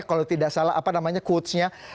kalau tidak salah apa namanya quotes nya